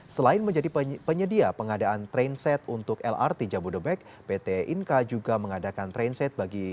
selain menjadi penyedia pengadaan trainset untuk lrt jabodebek pt inka juga mengadakan trainset bagi